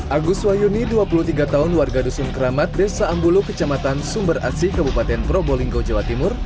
agus wahyuni dua puluh tiga tahun warga dusun keramat desa ambulu kecamatan sumber asi kabupaten probolinggo jawa timur